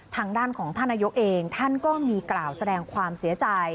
ทางด้านของท่านนายกเองท่านก็มีกล่าวแสดงความเสียใจ